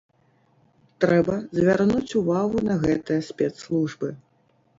Трэба звярнуць увагу на гэтыя спецслужбы.